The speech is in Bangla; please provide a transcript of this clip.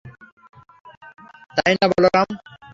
তাই না, বলরাম?